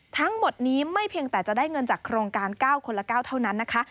ทั้งหมดนี้ไม่เพียงแต่จะได้เงินจากโครงการ๙คนละ๙เท่านั้นนะคะ